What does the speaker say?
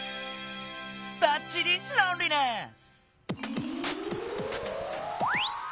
ばっちりロンリネス！